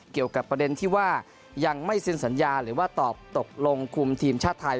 เกี่ยวกับประเด็นที่ว่ายังไม่เซ็นสัญญาหรือว่าตอบตกลงคุมทีมชาติไทย